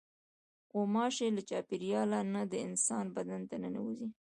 غوماشې له چاپېریاله نه د انسان بدن ته ننوځي.